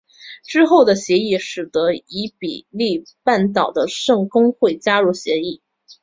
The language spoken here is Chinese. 之后的协商使得伊比利半岛的圣公会加入协议。